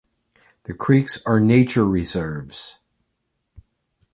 The creeks are nature reserves.